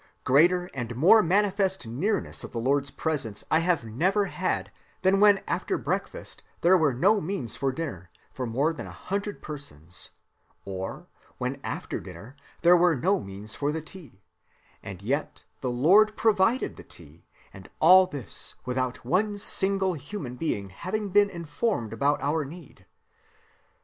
"Greater and more manifest nearness of the Lord's presence I have never had than when after breakfast there were no means for dinner for more than a hundred persons; or when after dinner there were no means for the tea, and yet the Lord provided the tea; and all this without one single human being having been informed about our need....